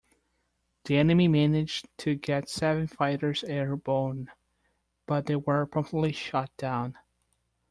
The enemy managed to get seven fighters airborne, but they were promptly shot down.